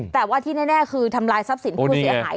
แต่ว่าที่แน่คือทำลายทรัพย์สินผู้เสียหาย